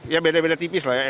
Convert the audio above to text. ya beda beda tipis lah ya